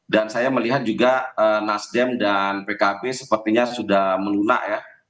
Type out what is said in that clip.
dan saya melihat juga nasdem dan pkb sepertinya sudah melunak ya